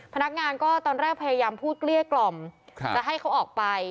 พนักงานก็ตอนแรกพยายามพูดเกลี้ยกล่อมจะให้เขาออกไป